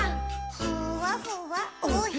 「ふわふわおへそ」